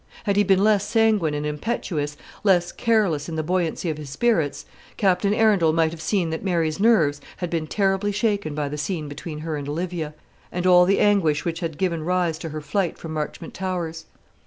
Had he been less sanguine and impetuous, less careless in the buoyancy of his spirits, Captain Arundel might have seen that Mary's nerves had been terribly shaken by the scene between her and Olivia, and all the anguish which had given rise to her flight from Marchmont Towers.